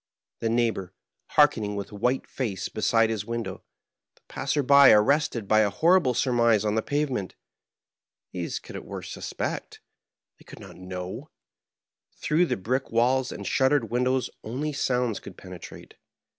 The neighbor hearkening with white face beside his window, the passer by arrested by a horrible surmise on the pavement — ^these could at worst suspect, they could not know ; through the brick walls and shuttered windows only sounds could penetrate.